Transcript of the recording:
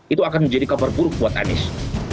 itu akan menjadi kabar buruk buat anies